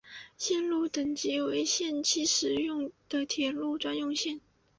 线路等级为限期使用的铁路专用线。